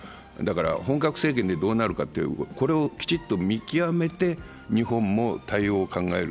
本格政権でどうなるかというのをきちんと見極めて日本も対応を考える。